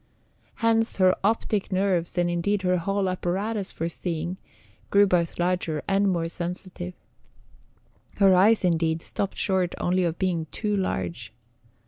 Hence her optic nerves, and indeed her whole apparatus for seeing, grew both larger and more sensitive; her eyes, indeed, stopped short only of being too large.